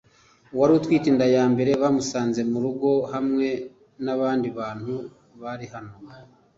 wari utwite inda ya mbere bamusanze mu rugo hamwe n abandi bantu bari hano